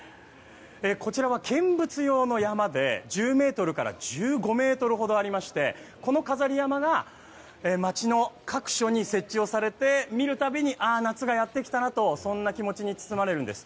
こちらは見物用の山笠で１０ｍから１５ｍほどありましてこの飾り山笠が街の各所に設置されて見るたびにああ夏がやってきたなとそんな気持ちに包まれるんです。